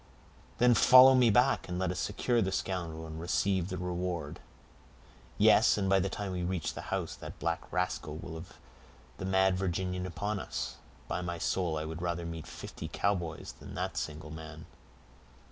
"Then follow me back, and let us secure the scoundrel, and receive the reward." "Yes; and by the time we reach the house, that black rascal will have the mad Virginian upon us. By my soul I would rather meet fifty Cowboys than that single man."